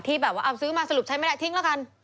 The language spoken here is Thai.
แบบว่าเอาซื้อมาสรุปใช้ไม่ได้ทิ้งแล้วกัน